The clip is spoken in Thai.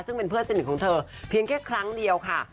ซึ่งเป็นเพื่อนสนิทของเธอเพียงแค่ครั้งเดียวค่ะ